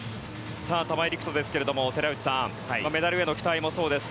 玉井陸斗ですが、寺内さんメダルへの期待もそうです。